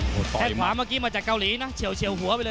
แค่งขวาเมื่อกี้มาจากเกาหลีนะเฉียวหัวไปเลย